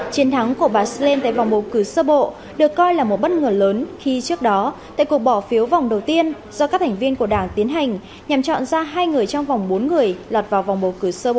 chiến thắng của bà strent tại vòng bầu cử sơ bộ được coi là một bất ngờ lớn khi trước đó tại cuộc bỏ phiếu vòng đầu tiên do các thành viên của đảng tiến hành nhằm chọn ra hai người trong vòng bốn người lọt vào vòng bầu cử sơ bộ